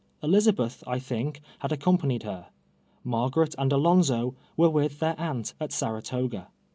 Elizabeth, I think, had ac companied her. Margaret and Alonzo were with their aunt at Saratoga.